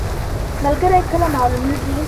ملګری کله معلومیږي؟